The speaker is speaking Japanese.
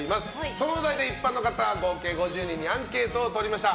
そのお題で一般の方合計５０人にアンケートをとりました。